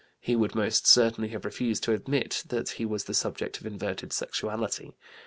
He would most certainly have refused to admit that he was the subject of inverted sexuality.